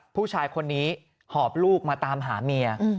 ผู้ชายคนนี้หอบลูกมาตามหาเมีย